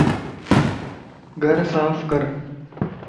گھر صاف ڪر